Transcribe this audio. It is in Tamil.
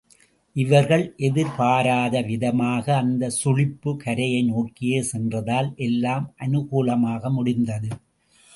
இவர்கள் எதிர்பாராத விதமாக அந்தச் சுழிப்பு கரையை நோக்கியே சென்றதால் எல்லாம் அனுகூலமாக முடிந்தது.